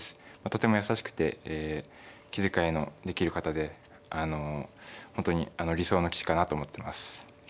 とても優しくて気遣いのできる方であの本当に理想の棋士かなと思ってます。